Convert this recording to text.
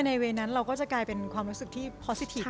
เวย์นั้นเราก็จะกลายเป็นความรู้สึกที่พอสิทธิ์